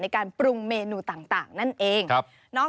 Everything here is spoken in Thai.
ในการปรุงเมินูต่าง